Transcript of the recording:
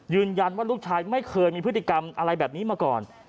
ยืนยันว่าลูกชายไม่เคยมีพฤติกรรมอะไรแบบนี้มาก่อน